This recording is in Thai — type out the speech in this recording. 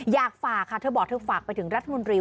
อยากฝากค่ะเธอบอกเธอฝากไปถึงรัฐมนตรี